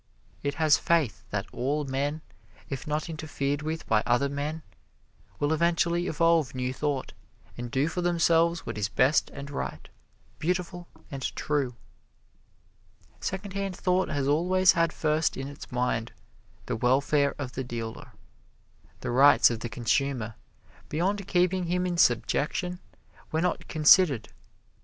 It has faith that all men, if not interfered with by other men, will eventually evolve New Thought, and do for themselves what is best and right, beautiful and true. Secondhand Thought has always had first in its mind the welfare of the dealer. The rights of the consumer, beyond keeping him in subjection, were not considered.